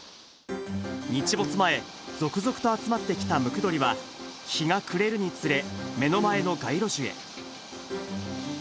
日没前、続々と集まってきたムクドリは、日が暮れるにつれ、目の前の街路樹へ。